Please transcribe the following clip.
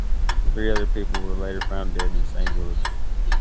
Three other people were later found dead in the same village.